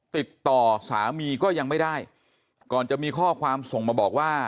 ติดต่อสามีก็ยังไม่ได้ก่อนจะมีข้อความส่งมาบอกว่า